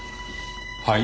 はい？